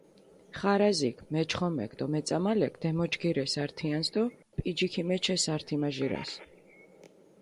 ხარაზიქ, მეჩხომექ დო მეწამალექ დემოჯგირეს ართიანსჷ დო პიჯი ქიმეჩეს ართი-მაჟირას.